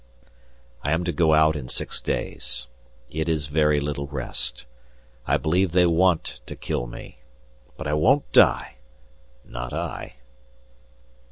I am to go out in six days. It is very little rest. I believe they want to kill me. But I won't die! Not I.